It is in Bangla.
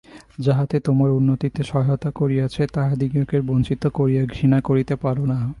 যাহারা তোমার উন্নতিতে সহায়তা করিয়াছে, তাহাদিগকে বঞ্চিত করিয়া ঘৃণা করিতে পার না।